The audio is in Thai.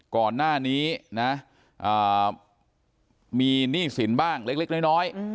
ก่อนหน้านี้นะมีหนี้สินบ้างเล็กน้อย